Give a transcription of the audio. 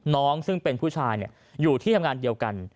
น้องซึ่งเป็นผู้ชายอยู่ที่ทำงานเดียวกัน